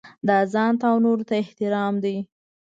دا ځانته او نورو ته احترام دی.